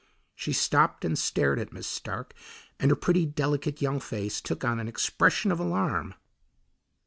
She stopped and stared at Miss Stark, and her pretty, delicate young face took on an expression of alarm.